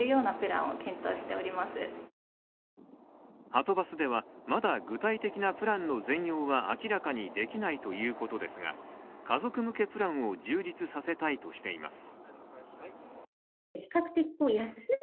はとバスではまだ具体的なプランの全容は明らかにできないということですが家族向けプランを充実させたいとしています。